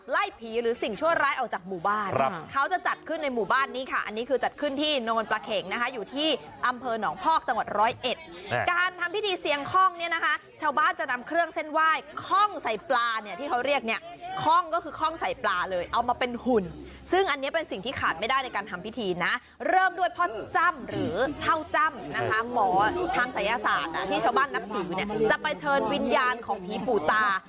แล้วหมอทางศัยศาสตร์ที่ชาวบ้านนับถือจะไปเชิญวิญญาณของผีปู่ตา